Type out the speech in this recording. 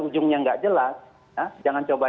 ujungnya nggak jelas ya jangan coba